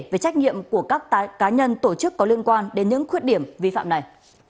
về trách nhiệm của các cá nhân tổ chức có liên quan đến những khuyết điểm vi phạm này